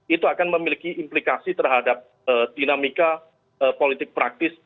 itu akan memiliki implikasi terhadap dinamika politik praktis